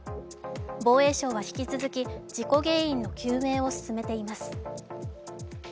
防衛省は引き続き事故原因の究明を進めています。